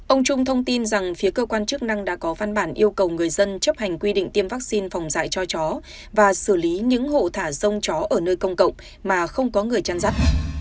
ông trung thông tin rằng phía cơ quan chức năng đã có văn bản yêu cầu người dân chấp hành quy định tiêm vaccine phòng dạy cho chó và xử lý những hộ thả rông chó ở nơi công cộng mà không có người chăn rắt